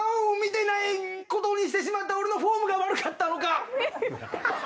見てないことにしてしまった俺のフォームが悪かったのか？